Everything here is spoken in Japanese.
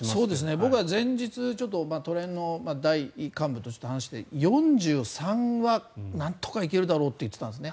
僕は前日都連の大幹部と話して４３は、なんとか行けるだろうと話していたんですね。